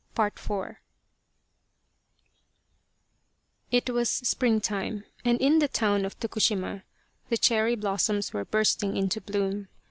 40 PART IV IT was springtime, and in the town of Tokushima the cherry blossoms were bursting into bloom.